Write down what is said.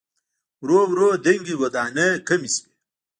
ورو ورو دنګې ودانۍ کمې شوې.